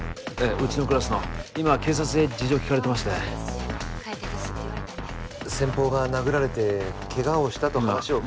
うちのクラスの今警察で事情聴かれてまして帰ってええですって言われたんで先方が殴られてケガをしたと☎話を聞きました